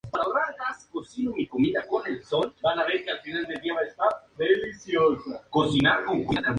El cinturón principal de asteroides ha sido nombrado en su honor.